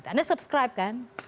anda subscribe kan